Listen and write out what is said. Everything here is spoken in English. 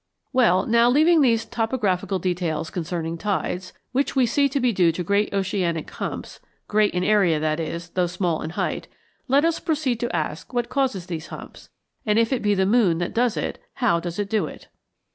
Well, now, leaving these topographical details concerning tides, which we see to be due to great oceanic humps (great in area that is, though small in height), let us proceed to ask what causes these humps; and if it be the moon that does it, how does it do it?